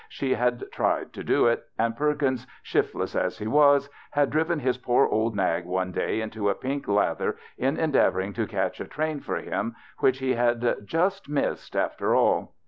she had tried to do it, and Perkins, shiftless as he was, had driven his poor old nag one day into a pink lather in endeavoring to catch a train for him, which he had just missed after all.